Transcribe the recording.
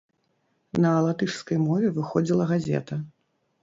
На латышскай мове выходзіла газета.